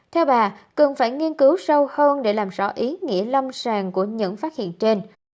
theo bà cần phải nghiên cứu sâu hơn để làm rõ ý nghĩa lâm sàng của những phát hiện trên